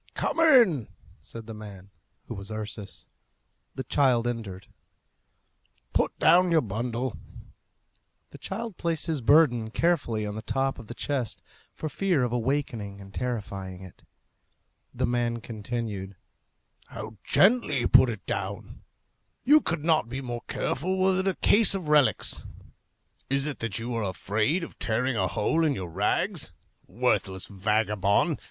"Come in!" said the man, who was Ursus. The child entered. "Put down your bundle." The child placed his burden carefully on the top of the chest, for fear of awakening and terrifying it. The man continued, "How gently you put it down! You could not be more careful were it a case of relics. Is it that you are afraid of tearing a hole in your rags? Worthless vagabond!